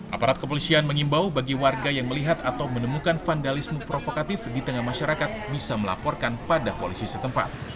aparat kepolisian mengimbau bagi warga yang melihat atau menemukan vandalisme provokatif di tengah masyarakat bisa melaporkan pada polisi setempat